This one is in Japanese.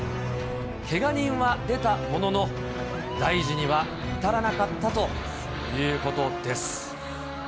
けが人は出たものの、大事には至らなかったということです。